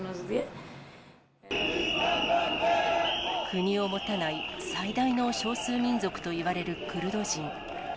国を持たない最大の少数民族といわれるクルド人。